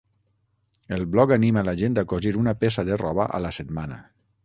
El blog anima la gent a "cosir una peça de roba a la setmana".